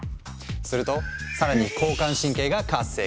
すると更に交感神経が活性化。